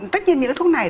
tất nhiên những thuốc này